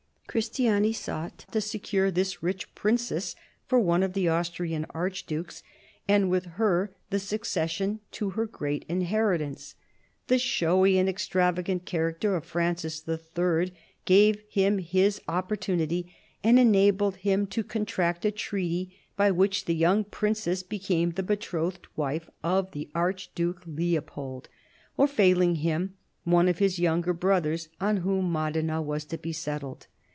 Christiani sought to secure this rich princess for one of the Austrian archdukes, and with her the succession to her great inheritance. The showy and extravagant character of Francis III. gave him his opportunity, and enabled him to contract a treaty by which the young princess became the betrothed wife of the Archduke Leopold, or, failing him, one of his younger brothers, on whom Modena was to be settled.